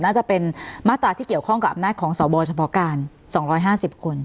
น่าจะเป็นมาตราที่เกี่ยวข้องกับอำนาจของสวเฉพาะการ๒๕๐คน